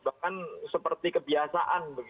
bahkan seperti kebiasaan